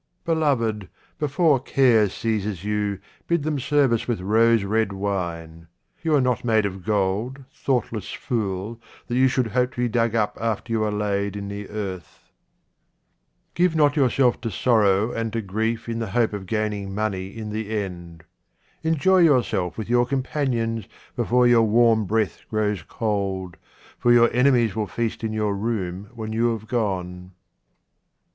Beloved, before care seizes you, bid them serve us with rose red wine. You are not made of gold, thoughtless fool, that you should hope to be dug up after you are laid in the earth. 8 QUATRAINS OF OMAR KHAYYAM Give not yourself to sorrow and to grief in the hope of gaining money in the end. Enjoy yourself with your companions before your warm breath grows cold, for your enemies will feast in your room when you have gone.